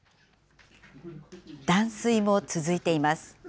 断水も続いています。